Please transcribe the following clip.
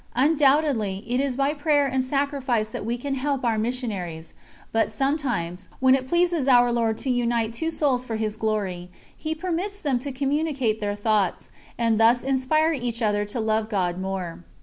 Undoubtedly, it is by prayer and sacrifice that we can help our missionaries, but sometimes, when it pleases Our Lord to unite two souls for His Glory, He permits them to communicate their thoughts, and thus inspire each other to love God more.